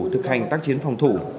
thực hành tác chiến phòng thủ